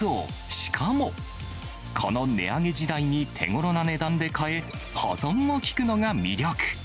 しかも、この値上げ時代に手頃な値段で買え、保存も利くのが魅力。